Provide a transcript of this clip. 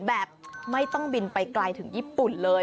แบบไม่ต้องบินไปไกลถึงญี่ปุ่นเลย